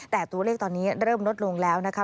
แต่ตัวเลขตอนนี้เริ่มลดลงแล้วนะคะ